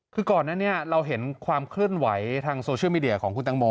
คือก่อนนั้นเราเห็นความเคลื่อนไหวทางโซเชียลมีเดียของคุณตังโม